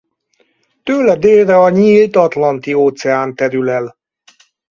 Tőle délre a nyílt Atlanti-óceán terül el.